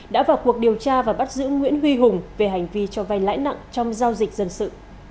đã vào cuộc điều tra và bắt giữ nguyễn huy hùng về hành vi cho vay lãi nặng trong giao dịch dân sự